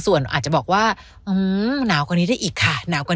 ส่วนอาจจะบอกว่าหนาวกว่านี้ได้อีกค่ะหนาวกว่า